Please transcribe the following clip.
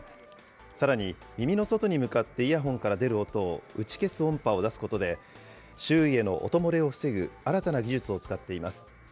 さらに、耳の外に向かってイヤホンから出る音を打ち消す音波を出すことで、周囲への音漏れを防ぐ新たな技術を使っています。